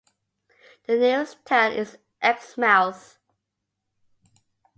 The nearest town is Exmouth.